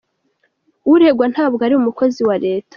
Uregwa ntabwo ari umukozi wa Leta.